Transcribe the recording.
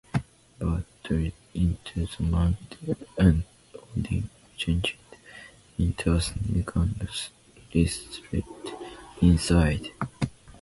Baugi drilled into the mountain and Odin changed into a snake and slithered inside.